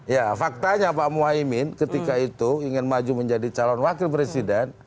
ya faktanya pak muhaymin ketika itu ingin maju menjadi calon wakil presiden